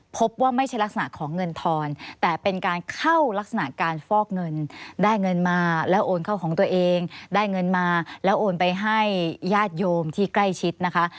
พบว่าไม่ใช่ลักษณะของเงินทอนแต่เป็นการเข้ารักษณะการฟอกเงินได้เงินมาแล้วโอนเข้าของตัวเองได้เงินมาแล้วโอนไปให้ญาติโยมที่ใกล้ชิดนะคะ